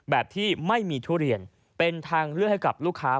แบบที่ไม่มีทุเรียนเป็นทางเลือกให้กับลูกค้า